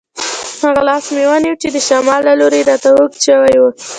هغه لاس مې ونیو چې د شمال له لوري راته اوږد شوی وو.